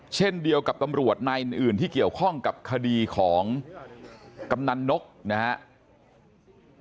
เช่นเดียวกับตำรวจนายอื่นที่เกี่ยวข้องกับคดีของกำนันนกนะครับ